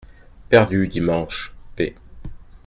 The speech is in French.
Perdu dimanche p.